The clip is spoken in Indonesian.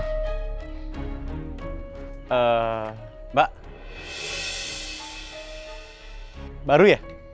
nanti ya pak sofia